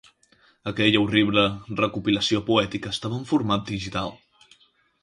Aquella horrible recopilació poètica estava en format digital.